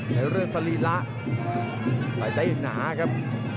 ในเรื่องสรีระไปได้หนาครับ